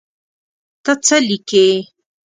ته څه لیکې.